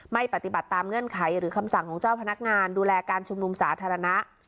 ไม่ปฏิบัติตามเงื่อนไขหรือคำสั่งของเจ้าพนักงานดูแลการชุมนุมสาธารณะ